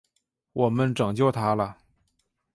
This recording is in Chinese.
我们拯救他了！